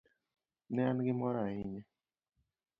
Ne an gi mor ahinya.